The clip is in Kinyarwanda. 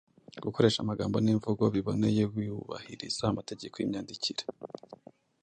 gukoresha amagambo n’imvugo biboneye wubahiriza amategeko y’imyandikire,